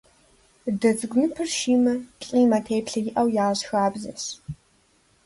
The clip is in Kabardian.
Дэ цӀыкӀу ныпыр щимэ, плӀимэ теплъэ иӏэу ящӀ хабзэщ.